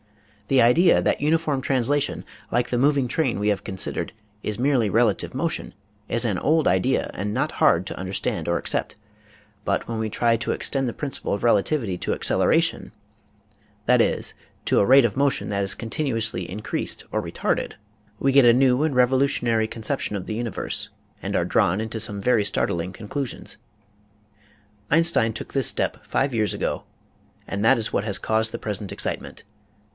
The idea that uniform translation, like the moving train we have considered, is merely relative motion, is an old idea and not hard to understand or accept. But when we try to extend the principle of relativity to acceleration, that is, to a rate of motion that is con tinuously increased or retarded, we get a new and revo A SUBSTITUTE FOR GRAVITY 83 lutionary conception of the universe and are drawn into some very startling conclusions. Einstein took this step five years ago and that is what has caused the present excitement.